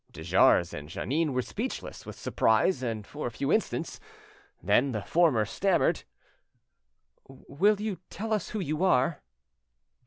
De Jars and Jeannin were speechless with surprise for a few instants; then the former stammered— "Will you tell us who you are?"